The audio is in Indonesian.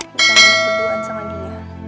bisa ngeliatin berduaan sama dia